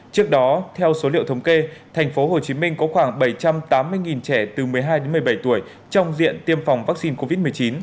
trước đó theo số liệu thống kê tp hcm có khoảng bảy trăm tám mươi trẻ từ một mươi hai đến một mươi bảy tuổi trong diện tiêm phòng vaccine covid một mươi chín